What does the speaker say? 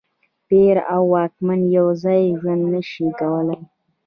پیر او واکمن یو ځای ژوند نه شي کولای.